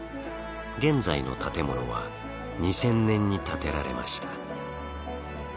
現在の建物は２０００年に建てられました。